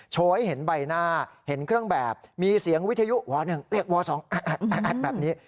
โชว์ให้เห็นใบหน้าเห็นเครื่องแบบมีเสียงวิทยุว๑เรียกว๒แอดแบบนี้